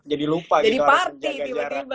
jadi lupa gitu harus menjaga jarak